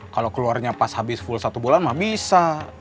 kalau keluarnya pas habis full satu bulan mah bisa